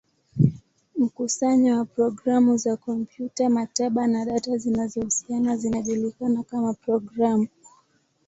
Mkusanyo wa programu za kompyuta, maktaba, na data zinazohusiana zinajulikana kama programu.